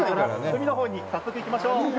海のほうに早速、行きましょう。